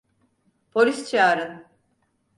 Polis çağırın!